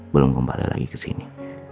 belum kembali lagi kesini